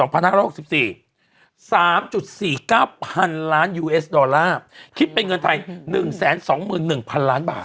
๓๔๙พันล้านยูเอสดอลลาร์คิดเป็นเงินไทย๑๒๑๐๐๐ล้านบาท